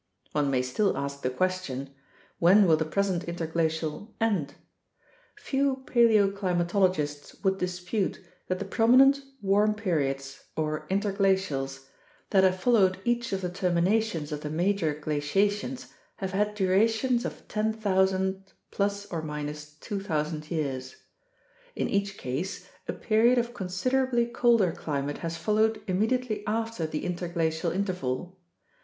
One may still ask the question: When will the present interglacial end? Few paleoclimatologists would dispute that the prominent warm APPENDIX A 189 periods (or interglacials) that have followed each of the terminations of the major glaciations have had durations of 10,000 ±2000 years. In each case, a period of considerably colder climate has followed im mediately after the interglacial interval.